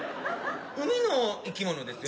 海の生き物ですよね？